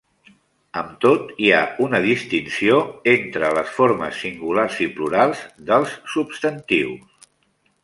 Amb tot, hi ha una distinció entre les formes singulars i plurals dels substantius.